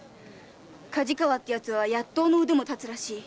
梶川は“やっとう”の腕も立つらしい。